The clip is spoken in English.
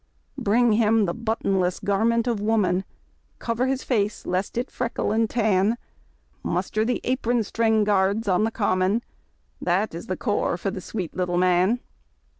Bring him the buttonless garment of woman! Cover his face lest it freckle and tan; Muster the Apron string Guards on the Common,— That is the corps for the sweet little man!